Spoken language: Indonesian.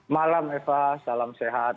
malam eva salam sehat